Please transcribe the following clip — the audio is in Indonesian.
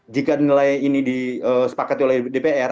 jika nilai ini disepakati oleh dpr